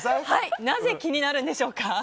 なぜ気になるんでしょうか。